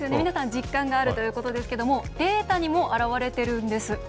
皆さん実感があるということですけれども、データにも表れているんです。